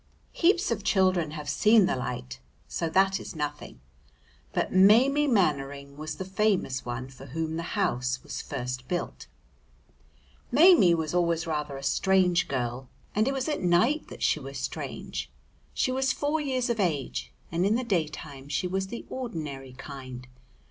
Heaps of children have seen the light, so that is nothing. But Maimie Mannering was the famous one for whom the house was first built. Maimie was always rather a strange girl, and it was at night that she was strange. She was four years of age, and in the daytime she was the ordinary kind.